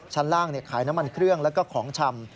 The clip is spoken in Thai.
ชั้นล่างขายน้ำมันเครื่องแล้วก็ของชำ